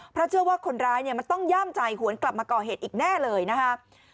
เพราะเชื่อว่าคนร้ายมันต้องย่ามใจหวนกลับมาก่อเหตุอีกแน่เลยนะครับ